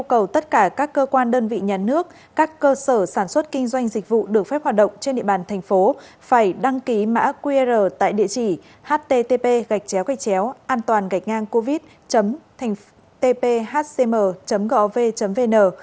các cơ sở sản xuất kinh doanh dịch vụ được phép hoạt động trên địa bàn thành phố phải đăng ký mã qr tại địa chỉ http antoangachngangcovid tphcm gov vn